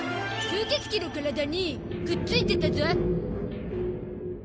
吸ケツ鬼の体にくっついてたゾ！